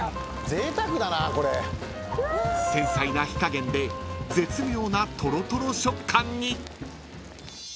［繊細な火加減で絶妙なとろとろ食感に］